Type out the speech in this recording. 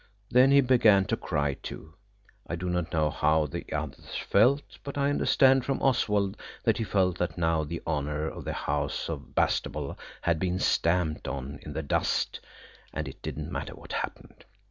Then he began to cry too. I do not know how the others felt, but I understand from Oswald that he felt that now the honour of the house of Bastable had been stamped on in the dust, and it didn't matter what happened.